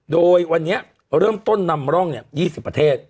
โดยวันนี้เริ่มต้นนำร่อง๒๐ประเทศ